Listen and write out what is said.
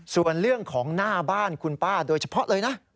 ส่วนเรื่องของหน้าบ้านคุณป้าโดยเฉพาะเลยนะ